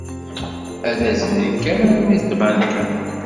Ad azzlen kan arma d tabanka.